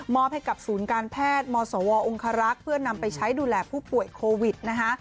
ให้กับศูนย์การแพทย์มศวองคารักษ์เพื่อนำไปใช้ดูแลผู้ป่วยโควิดนะคะ